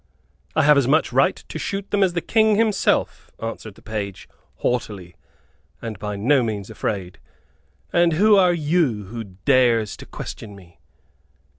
"I have as much right to shoot them as the King himself," answered the page, haughtily, and by no means afraid. "And who are you who dares to question me?"